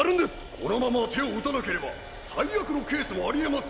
このまま手を打たなければ最悪のケースもありえますよ！